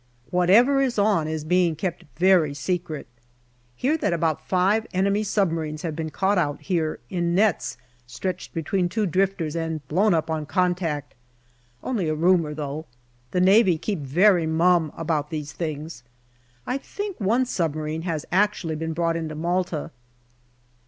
Whatever is on is being kept very secret. Hear that about five enemy submarines have been caught out here in nets stretched between two drifters, and blown up on contact. Only a rumour though. The Navy keep very " mum " about these things. I think one submarine has actually been brought into Malta.